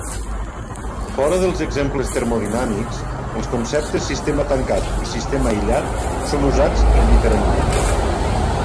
Fora dels exemples termodinàmics els conceptes sistema tancat i sistema aïllat són usats indiferentment.